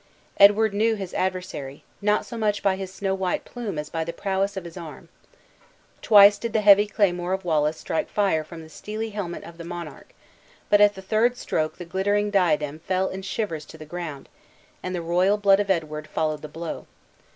Edward knew his adversary, not so much by his snow white plume as by the prowess of his arm. Twice did the heavy claymore of Wallace strike fire from the steely helmet of the monarch; but at the third stroke the glittering diadem fell in shivers to the ground; and the royal blood of Edward followed the blow.